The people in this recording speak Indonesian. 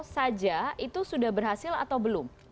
saja itu sudah berhasil atau belum